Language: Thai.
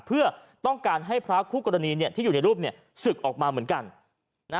เพื่อต้องการให้พระคู่กรณีที่อยู่ในรูปศึกออกมาเหมือนกัน